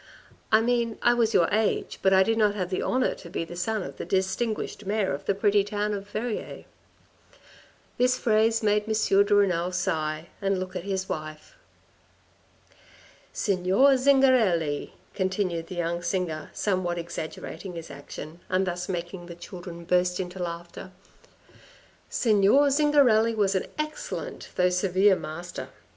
I mean I was your age, but I did not have the honour to be the son of the distinguished mayor of the pretty town of Verrieres." This phrase made M. de Renal sigh, and look at his wife. " Signor Zingarelli," continued the young singer, somewhat exaggerating his action, and thus making the children burst into laughter, "Signor Zingarelli was an excellent though severe master.